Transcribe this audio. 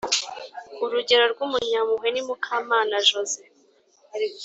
urugero rw’umunyampuhwe ni mukamana joze